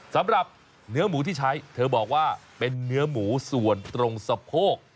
สำหรับเนื้อหมูที่ใช้เธอบอกว่าเป็นเนื้อหมูส่วนตรงสะโพก